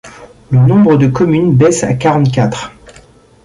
Le nombre de communes baisse à quarante-quatre.